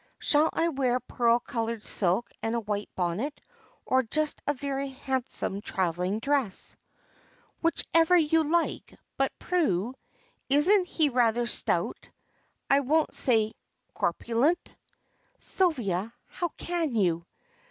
Shall I wear pearl colored silk and a white bonnet, or just a very handsome travelling dress?" "Whichever you like. But, Prue, isn't he rather stout, I won't say corpulent?" "Sylvia, how can you!